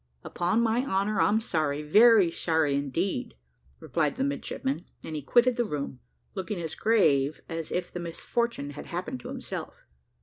"Upon my honour, I'm sorry very sorry indeed," replied the midshipman; and he quitted the room, looking as grave as if the misfortune had happened to himself.